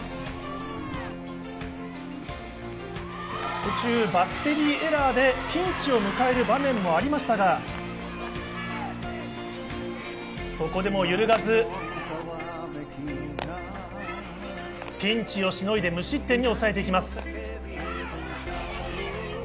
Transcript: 途中バッテリーエラーでピンチを迎える場面もありましたが、そこでも揺るがず、ピンチをしのいで無失点に抑えてきます。